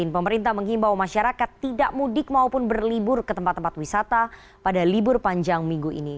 pemerintah menghimbau masyarakat tidak mudik maupun berlibur ke tempat tempat wisata pada libur panjang minggu ini